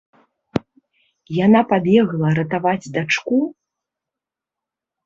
Яна пабегла ратаваць дачку?